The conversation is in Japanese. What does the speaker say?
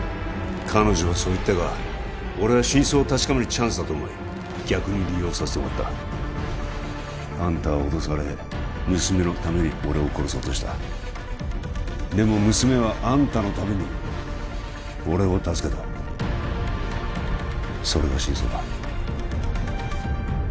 彼女はそう言ったが俺は真相を確かめるチャンスだと思い逆に利用させてもらったあんたは脅され娘のために俺を殺そうとしたでも娘はあんたのために俺を助けたそれが真相だ